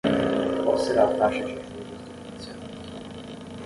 Qual será a taxa de juros do financiamento?